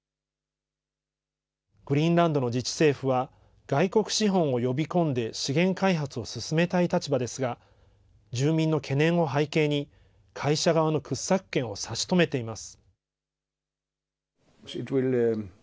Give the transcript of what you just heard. グリーンランドの自治政府は、外国資本を呼び込んで資源開発を進めたい立場ですが、住民の懸念を背景に、会社側の掘削権を差し止めています。